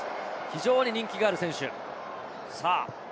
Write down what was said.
非常に人気がある選手。